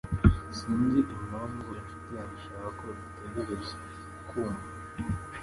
Sinzi impamvu inshuti yanjye ishaka ko dutegereza. (kuma)